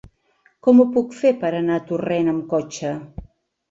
Com ho puc fer per anar a Torrent amb cotxe?